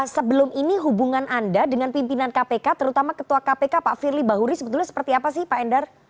sebelum ini hubungan anda dengan pimpinan kpk terutama ketua kpk pak firly bahuri sebetulnya seperti apa sih pak endar